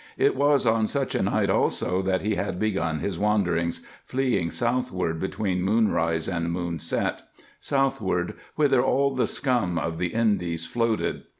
It was on such a night, also, that he had begun his wanderings, fleeing southward between moonrise and moonset; southward, whither all the scum of the Indies floated.